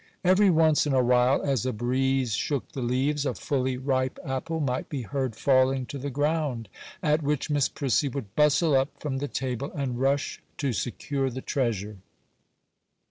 Every once in a while, as a breeze shook the leaves, a fully ripe apple might be heard falling to the ground, at which Miss Prissy would bustle up from the table and rush to secure the treasure.